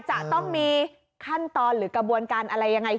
จะต้องมีขั้นตอนหรือกระบวนการอะไรยังไง